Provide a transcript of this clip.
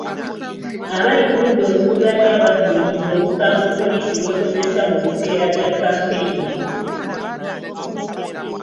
Abali ku ludda oluvuganya bavumiridde obukambwe poliisi bw'ekozesa mu biseera bya kampeyini.